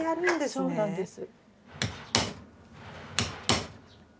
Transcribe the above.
そうなんです。